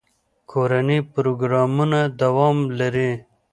کورني پروګرامونه دوام لري.